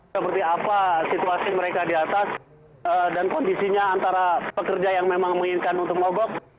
seperti apa situasi mereka di atas dan kondisinya antara pekerja yang memang menginginkan untuk mogok